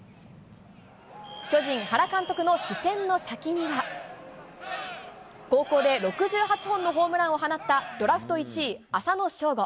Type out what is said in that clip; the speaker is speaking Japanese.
巨人、原監督の視線の先には、高校で６８本のホームランを放ったドラフト１位、浅野翔吾。